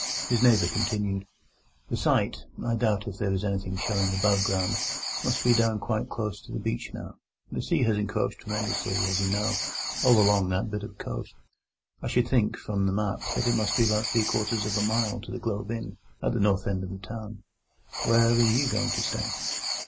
His neighbour continued: "The site—I doubt if there is anything showing above ground—must be down quite close to the beach now. The sea has encroached tremendously, as you know, all along that bit of coast. I should think, from the map, that it must be about three quarters of a mile from the Globe Inn, at the north end of the town. Where are you going to stay?"